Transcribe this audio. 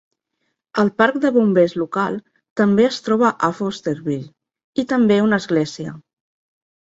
El parc de bombers local també es troba a Fosterville, i també una església.